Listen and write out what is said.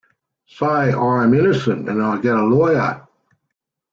Say I am innocent and I get a lawyer.